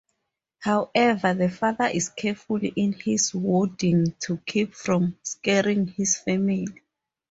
However, the father is careful in his wording to keep from scaring his family.